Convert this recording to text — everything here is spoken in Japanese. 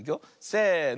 せの。